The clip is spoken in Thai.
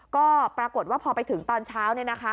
ก็ปรากฏว่าพอไปถึงตอนเช้า